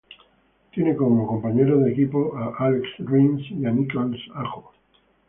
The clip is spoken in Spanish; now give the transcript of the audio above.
Tiene como compañeros de equipo a Álex Rins y a Niklas Ajo.